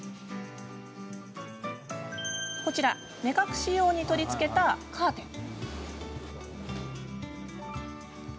こちら、目隠し用に取り付けたカーテン。